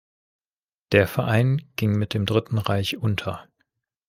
Der Verein ging mit dem Dritten Reich unter.